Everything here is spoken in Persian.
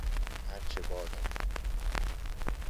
هر چه باداباد